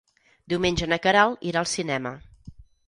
Diumenge na Queralt irà al cinema.